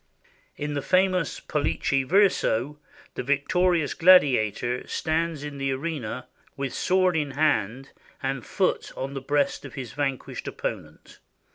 In the famous "Pollice Verso," the victorious gladiator stands in the arena, with sword in hand and foot on the breast of his vanquished opponent.